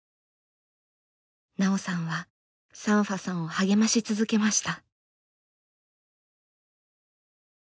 奈緒さんはサンファさんを励まし続けました。